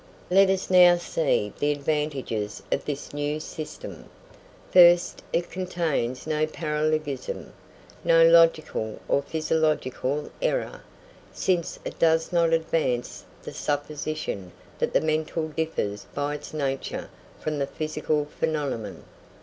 Let us now see the advantages of this new system. First, it contains no paralogism, no logical or psychological error, since it does not advance the supposition that the mental differs by its nature from the physical phenomenon.